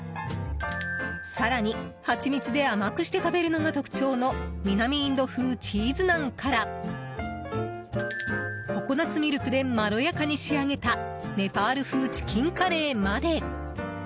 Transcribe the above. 更に、ハチミツで甘くして食べるのが特徴の南インド風チーズナンからココナツミルクでまろやかに仕上げたネパール風チキンカレーまで。